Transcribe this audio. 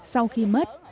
sau khi mất